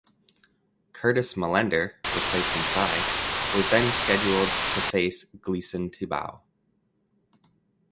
Curtis Millender (replacing Sy) was then scheduled to face Gleison Tibau.